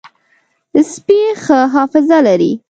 سپي ښه حافظه لري.